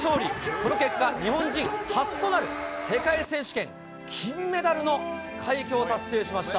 この結果、日本人初となる世界選手権金メダルの快挙を達成しました。